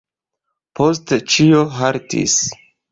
Poste ĉio haltis.